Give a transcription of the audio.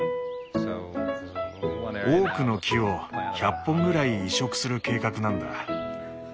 オークの木を１００本ぐらい移植する計画なんだ。